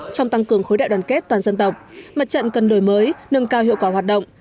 trong tăng cường khối đại đoàn kết toàn dân tộc mặt trận cần đổi mới nâng cao hiệu quả hoạt động